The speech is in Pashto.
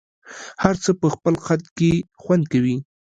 هر څه په خپل خد کي خوند کوي